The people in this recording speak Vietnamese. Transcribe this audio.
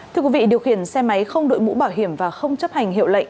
thưa quý vị điều khiển xe máy không đội mũ bảo hiểm và không chấp hành hiệu lệnh